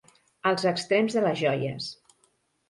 Als extrems de les joies.